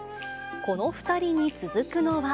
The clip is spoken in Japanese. この２人に続くのは。